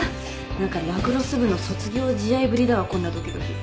何かラクロス部の卒業試合ぶりだわこんなドキドキ。